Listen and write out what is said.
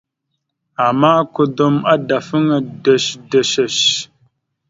Ama, kudom adafaŋa ɗœshəɗœshœsh.